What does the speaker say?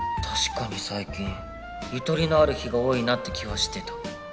確かに最近ゆとりのある日が多いなって気はしてた。